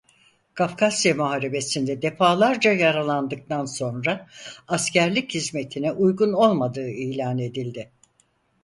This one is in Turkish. Kafkasya Muharebesi'nde defalarca yaralandıktan sonra askerlik hizmetine uygun olmadığı ilan edildi.